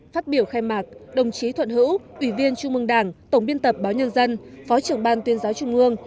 phát biểu khai mạc đồng chí thuận hữu ủy viên trung mương đảng tổng biên tập báo nhân dân phó trưởng ban tuyên giáo trung ương